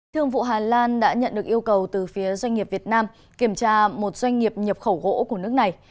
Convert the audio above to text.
thương vụ hà lan đã nhận được yêu cầu từ phía doanh nghiệp việt nam kiểm tra một doanh nghiệp nhập khẩu gỗ của nước này